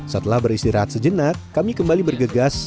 setelah beristirahat sejenak kami kembali bergegas